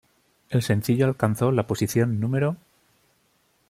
El sencillo alcanzó la posición No.